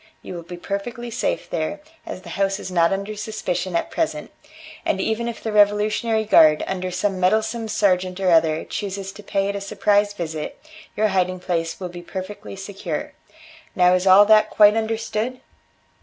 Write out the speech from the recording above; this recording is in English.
You will be perfectly safe there, as the house is not under suspicion at present, and even if the revolutionary guard, under some meddle some sergeant or other, chooses to pay it a surprise visit, your hiding place will be perfectly secure. Now is all that quite understood?"